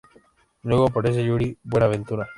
Luego aparece Yuri Buenaventura.